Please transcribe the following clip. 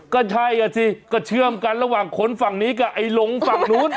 ก็ใช่อ่ะสิก็เชื่อมกันระหว่างคนฝั่งนี้กับไอ้ลงฝั่งนู้น